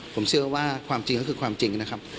ผมเชื่อว่าความจริงก็คือความจริงนะครับ